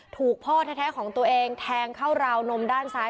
ถูกพ่อแท้ของตัวเองแทงเข้าราวนมด้านซ้าย